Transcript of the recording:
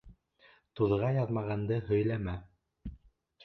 Туҙға яҙмағанды һөйләмә.